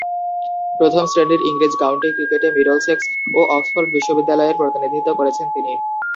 প্রথম-শ্রেণীর ইংরেজ কাউন্টি ক্রিকেটে মিডলসেক্স ও অক্সফোর্ড বিশ্ববিদ্যালয়ের প্রতিনিধিত্ব করেছেন তিনি।